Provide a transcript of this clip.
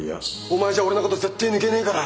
お前じゃ俺のこと絶対抜けねえから！